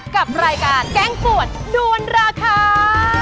กับรายการแกงปวดด้วนราคา